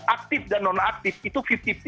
aktif dan non aktif itu lima puluh lima puluh